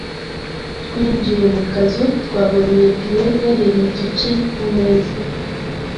Twinjiye mu kazu, twabonye pie yariye igice ku meza.